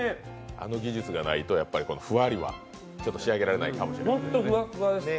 あの技術がないと、ふわりはちょっと仕上げられないかもしれないですね。